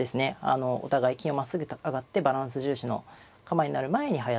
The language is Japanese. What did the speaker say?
あのお互い金をまっすぐ上がってバランス重視の構えになる前にはやっていたまあ